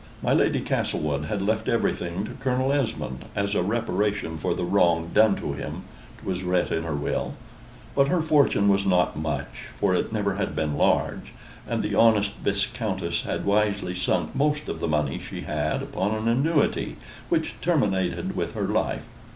My Lady Castlewood had left everything to Colonel Esmond, "as a reparation for the wrong done to him;" 'twas writ in her will. But her fortune was not much, for it never had been large, and the honest viscountess had wisely sunk most of the money she had upon an annuity which terminated with her life.